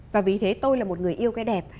và vì thế tôi là một người yêu cái đẹp